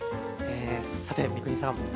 さて三國さん